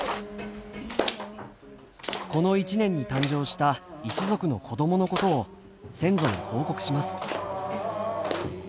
この一年に誕生した一族の子供のことを先祖に報告します。